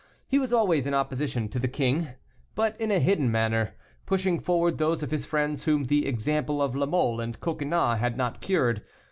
He was always in opposition to the king, but in a hidden manner, pushing forward those of his friends whom the example of La Mole and Coconnas had not cured.